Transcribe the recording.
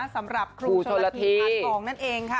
สำหรับครูชนพีหลัดหกนั้นเองค่ะ